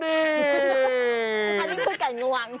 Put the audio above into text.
อันนี้คือกัยงวัง